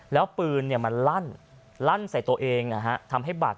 แล้วเครื่องส่งเจอรถจักรยาลยนต์